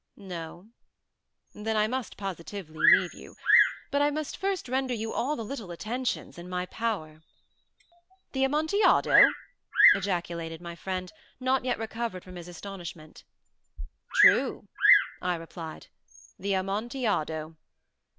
No? Then I must positively leave you. But I must first render you all the little attentions in my power." "The Amontillado!" ejaculated my friend, not yet recovered from his astonishment. "True," I replied; "the Amontillado."